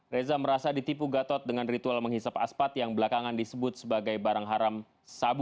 reza merasa ditipu gatot dengan ritual menghisap aspat yang belakangan disebut sebagai barang haram sabu